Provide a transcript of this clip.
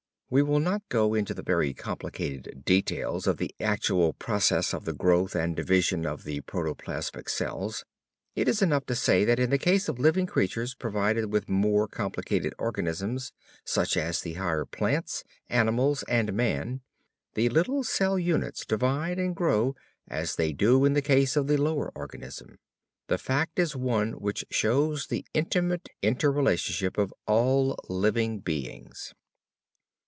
We will not go into the very complicated details of the actual process of the growth and division of the protoplasmic cells. It is enough to say that in the case of living creatures provided with more complicated organisms, such as the higher plants, animals and man, the little cell units divide and grow as they do in the case of the lower organisms. The fact is one which shows the intimate inner relationship of all living beings.